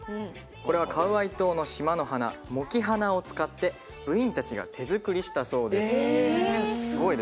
これはカウアイ島の島の花モキハナを使って部員たちが手作りしたそうです。